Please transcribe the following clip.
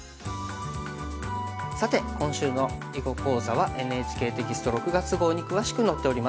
さて今週の囲碁講座はＮＨＫテキスト６月号に詳しく載っております。